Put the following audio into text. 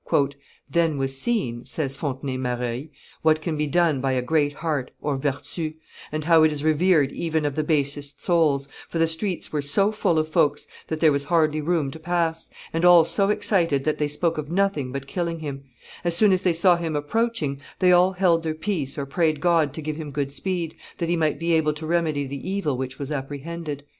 "Then was seen," says Fontenay Mareuil, "what can be done by a great heart (vertu), and how it is revered even of the basest souls, for the streets were so full of folks that there was hardly room to pass, and all so excited that they spoke of nothing but killing him: as soon as they saw him approaching, they all held their peace or prayed God to give him good speed, that he might be able to remedy the evil which was apprehended."